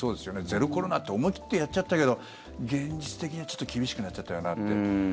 ゼロコロナって思い切ってやっちゃったけど現実的には厳しくなっちゃったよなって。